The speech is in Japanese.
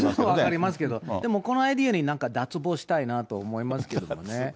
分かりますけど、でもこのアイデアに脱帽したいなと思いますけどね。